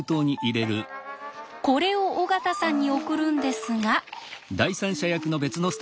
これを尾形さんに送るんですが。